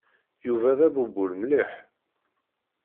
Yuba d abubul mliḥ.